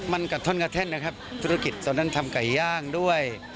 มันกระท่อนกระแท่นนะครับธุรกิจตอนนั้นทำไก่ย่างด้วย